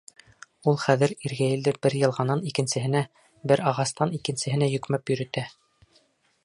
Ул хәҙер иргәйелде бер йылғанан икенсеһенә, бер ағастан икенсеһенә йөкмәп йөрөтә.